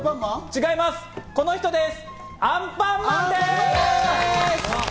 違います、この人です。